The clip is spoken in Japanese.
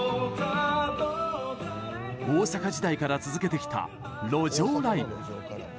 大阪時代から続けてきた路上ライブ。